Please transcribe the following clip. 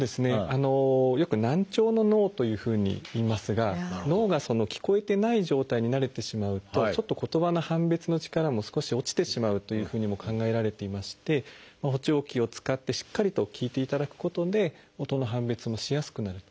よく「難聴の脳」というふうにいいますが脳が聞こえてない状態に慣れてしまうとちょっと言葉の判別の力も少し落ちてしまうというふうにも考えられていまして補聴器を使ってしっかりと聞いていただくことで音の判別もしやすくなると。